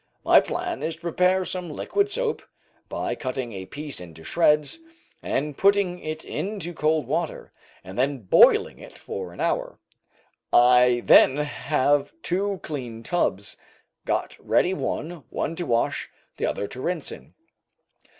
My plan is to prepare some liquid soap, by cutting a piece into shreds, and putting it into cold water, and then boiling it for an hour. I then have two clean tubs got ready, one to wash, the other to rinse in.